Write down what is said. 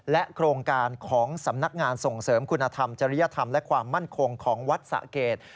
โครงการของสำนักงานส่งเสริมคุณธรรมจริยธรรมและความมั่นคงของวัดสะเกด